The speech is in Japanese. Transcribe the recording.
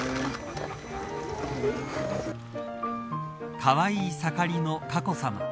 かわいい盛りの佳子さま。